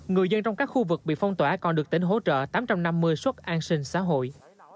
người dân trong các khu vực bị phong tỏa còn được tỉnh hỗ trợ tám trăm năm mươi xuất an sinh xã hội